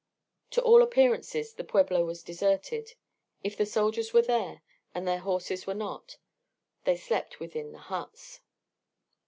To all appearances the pueblo was deserted. If the soldiers were there and their horses were not they slept within the huts.